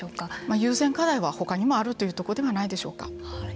優先課題は、ほかにもあるということではないでしょうか。